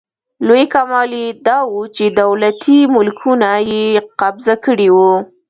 لوی کمال یې داوو چې دولتي ملکیتونه یې قبضه کړي وو.